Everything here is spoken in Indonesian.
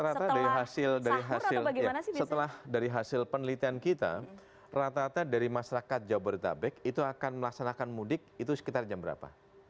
rata rata dari hasil setelah dari hasil penelitian kita rata rata dari masyarakat jabodetabek itu akan melaksanakan mudik itu sekitar jam berapa